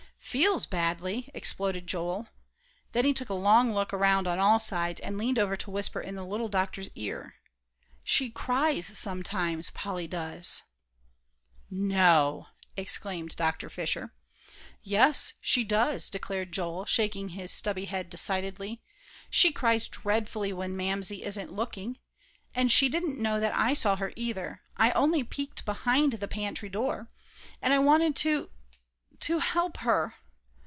"Feels badly!" exploded Joel. Then he took a good long look around on all sides, and leaned over to whisper in the little doctor's ear, "She cries sometimes, Polly does." "No!" exclaimed Dr. Fisher. "Yes, she does," declared Joel, shaking his stubby head decidedly. "She cries dreadfully when Mamsie isn't looking. And she didn't know that I saw her, either, only I peeked behind the pantry door. And I wanted to to help her."